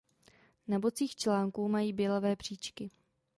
Na bocích článků mají bělavé příčky.